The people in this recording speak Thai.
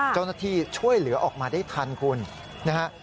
เจ้าหน้าที่ช่วยเหลือออกมาได้ทันคุณนะฮะ